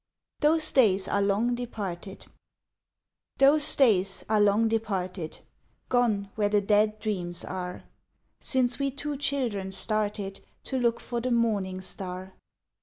"THOSE DAYS ARE LONG DEPARTED" Those days are long departed, Gone where the dead dreams are, Since we two children started To look for the morning star.